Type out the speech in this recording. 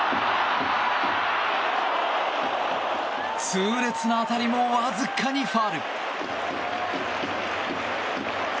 痛烈な当たりもわずかにファウル。